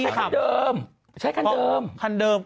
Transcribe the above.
ก็ใช้คันเดิม